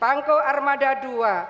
pangko armada ii